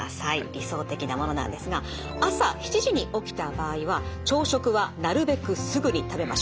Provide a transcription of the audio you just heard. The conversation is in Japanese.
理想的なものなんですが朝７時に起きた場合は朝食はなるべくすぐに食べましょう。